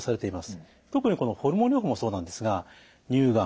特にこのホルモン療法もそうなんですが乳がん